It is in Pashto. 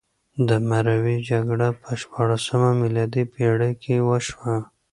د مروې جګړه په شپاړلسمه میلادي پېړۍ کې وشوه.